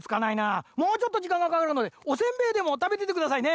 もうちょっとじかんがかかるのでおせんべいでもたべててくださいね。